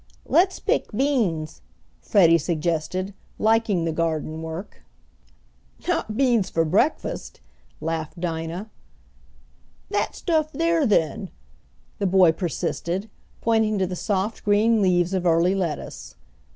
"Let's pick beans," Freddie suggested, liking the garden work. "Not beans fer breakfast," laughed Dinah. "That stuff there, then," the boy persisted, pointing to the soft green leaves of early lettuce.